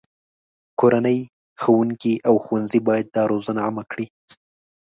کورنۍ، ښوونکي، او ښوونځي باید دا روزنه عامه کړي.